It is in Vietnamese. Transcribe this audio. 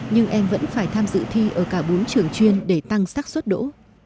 nhưng em vẫn phải tham dự thi ở cả bốn trường chuyên để tăng sắc suốt đỗ